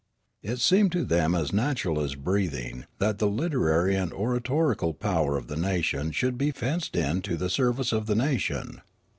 It seemed to them as natural as breathing that the literary and oratorical power of the nation should be fenced in to the service of the nation.